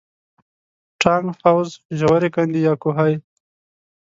ټانک، حوض، ژورې کندې یا کوهي.